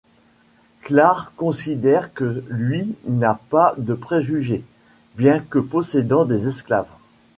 Clare considère que lui n'a pas de préjugés, bien que possédant des esclaves.